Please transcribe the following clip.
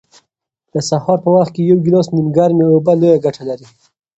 د سهار په وخت کې یو ګیلاس نیمګرمې اوبه لویه ګټه لري.